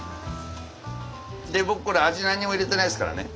僕これ味何も入れてないですからね。